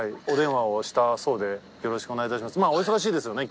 お電話をしたそうでよろしくお願いいたします。